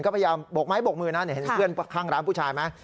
ก็พยายามบกไม้บกมือนะเห็นเพื่อนข้างร้านผู้ชายไหม